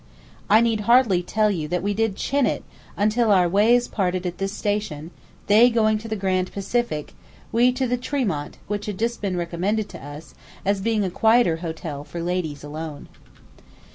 I need hardly tell you that we did "chin" it until our ways parted at this station, they going to the Grand Pacific, we to the Treemont which had been recommended to us as being a quieter hotel for ladies alone.